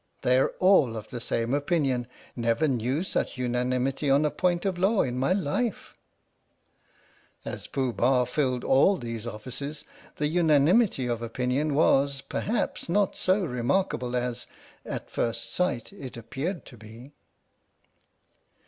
They're all of the same opinion. Never knew such unanimity on a point of law in my life !" 82 THE STORY OF THE MIKADO As Pooh Bah filled all these offices, the unanimity of opinion was, perhaps, not so remarkable as, at first sight, it appeared to be.